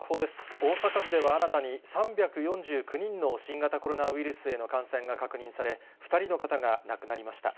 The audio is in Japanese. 大阪府では新たに３４９人の新型コロナウイルスへの感染が確認され、２人の方が亡くなりました。